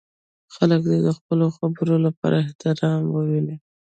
خلک دې د خپلو خبرو لپاره احترام وویني.